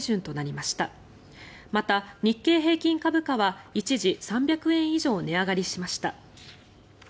また、日経平均株価は一時、３００円以上値上がりしました。